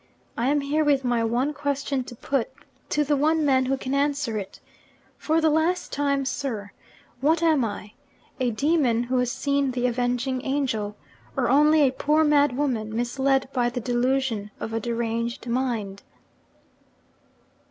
I am here with my one question to put, to the one man who can answer it. For the last time, sir, what am I a demon who has seen the avenging angel? or only a poor mad woman, misled by the delusion of a deranged mind?'